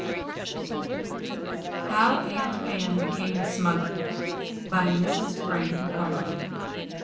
]] HOW AUNT PAM BECAME A SMUGGLER. BY MRS. FRANK McCARTHY.